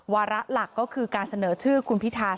วาระหลักก็คือการเสนอชื่อคุณพิธา